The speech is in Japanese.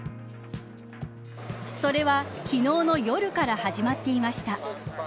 それは昨日の夜から始まっていました。